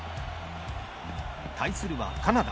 対するはカナダ。